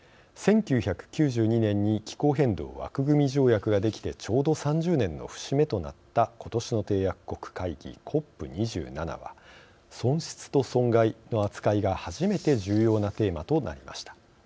１９９２年に気候変動枠組条約ができてちょうど３０年の節目となった今年の締約国会議、ＣＯＰ２７は損失と損害の扱いが初めて重要なテーマとなりました。